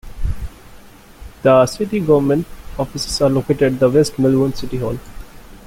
The city government offices are located at the West Melbourne City Hall.